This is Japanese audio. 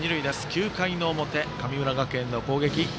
９回の表、神村学園の攻撃。